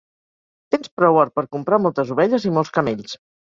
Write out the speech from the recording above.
Tens prou or per comprar moltes ovelles i molts camells.